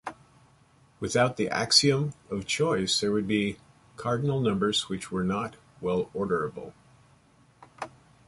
Without the axiom of choice, there would be cardinal numbers which were not well-orderable.